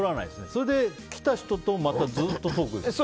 それで来た人とまたずっとトーク？